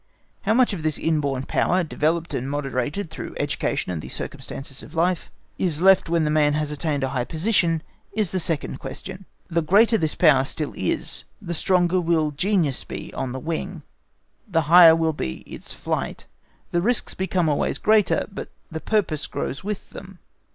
How much of this inborn power, developed and moderated through education and the circumstances of life, is left when the man has attained a high position, is the second question. The greater this power still is, the stronger will genius be on the wing, the higher will be its flight. The risks become always greater, but the purpose grows with them.